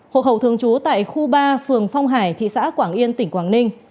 hộ khẩu thường trú tại khu ba phường phong hải thị xã quảng yên tỉnh quảng ninh